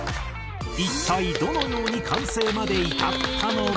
一体どのように完成まで至ったのか？